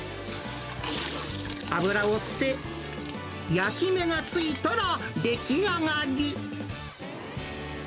油を捨て、焼き目が付いたら出来上がり。